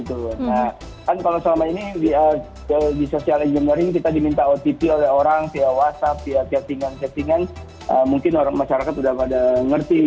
nah kan kalau selama ini di sosial media kita diminta otp oleh orang via whatsapp via chatting an mungkin masyarakat sudah pada mengerti